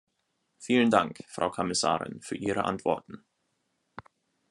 Vielen Dank, Frau Kommissarin, für Ihre Antworten.